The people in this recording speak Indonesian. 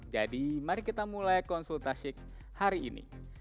jadi mari kita mulai konsultasi hari ini